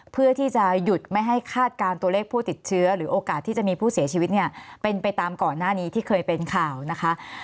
เพื่อที่จะหยุดไม่ให้คาดการณ์ตัวเลขผู้ติดเชื้อหรือโอกาสที่จะมีผู้เสียชีวิตเนี่ยเป็นไปตามก่อนหน้านี้ที่เคยเป็นข่าวนะคะ